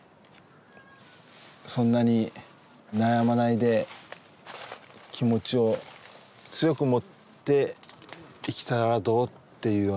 そんなに悩まないで気持ちを強くもって生きたらどう？っていうような